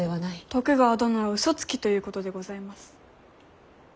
徳川殿は嘘つきということでございます。